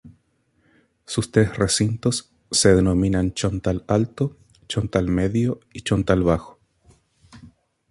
Sus tres recintos se denominan Chontal alto, Chontal medio y Chontal bajo.